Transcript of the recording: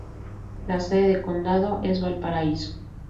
La sede de condado es Valparaiso.